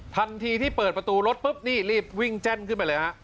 ทันทีที่เปิดประตูรถปุ๊บนี่รีบวิ่งแจ้นขึ้นไปเลยฮะ